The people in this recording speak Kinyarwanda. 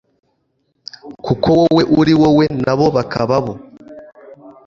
kuko wowe uri wowe nabo bakaba bo.